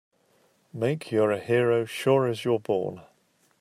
Make you're a hero sure as you're born!